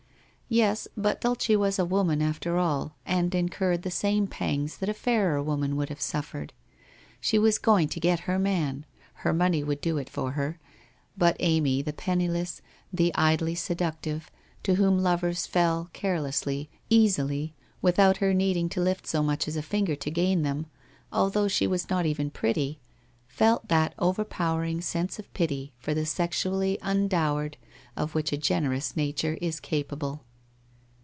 Yes, but Dulce was a woman after all, and incurred the same pangs that a fairer woman would have suffered. She was going to get her man; her money would do it for her, but Amy, the penniless, the idly seductive, to whom lovers fell, care lessly, easily, without her needing to lift so much as a finger to gain them, although she was not even pretty, felt that overpowering sense of pity for the sexually undowered of which a generous nature is capable.